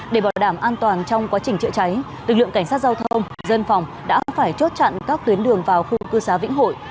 để bảo đảm an toàn trong quá trình chữa cháy lực lượng cảnh sát giao thông dân phòng đã phải chốt chặn các tuyến đường vào khu cư xá vĩnh hội